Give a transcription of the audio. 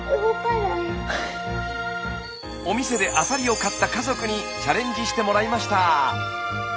お店でアサリを買った家族にチャレンジしてもらいました。